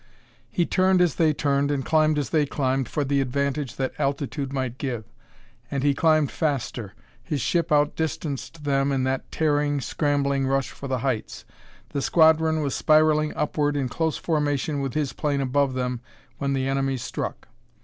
He turned as they turned and climbed as they climbed for the advantage that altitude might give. And he climbed faster: his ship outdistanced them in that tearing, scrambling rush for the heights. The squadron was spiraling upward in close formation with his plane above them when the enemy struck.